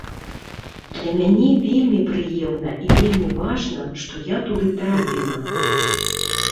Для мяне вельмі прыемна і вельмі важна, што я туды трапіла.